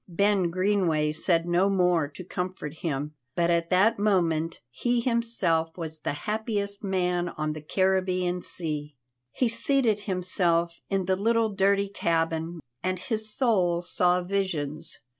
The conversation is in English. Ben Greenway said no more to comfort him, but at that moment he himself was the happiest man on the Caribbean Sea. He seated himself in the little dirty cabin, and his soul saw visions.